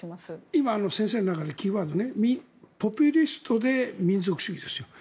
今、先生の中でキーワードポピュリストで民族主義ですよ。